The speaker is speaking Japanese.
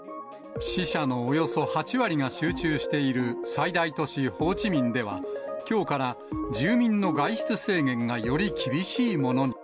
死者のおよそ８割が集中している最大都市ホーチミンでは、きょうから住民の外出制限がより厳しいものに。